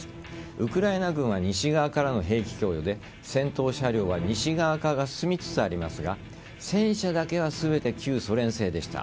ウクライナ軍は西側からの兵器供与で戦闘車両は西側化が進みつつありますが戦車だけは全て旧ソ連製でした。